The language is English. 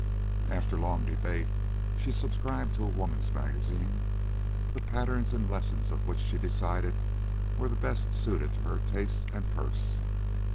After long debate she subscribed to a woman's magazine, the patterns and lessons of which she decided were the best suited to her taste and purse.